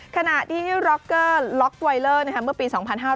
ขณะที่ร็อกเกอร์ล็อกไวเลอร์เมื่อปี๒๕๕๙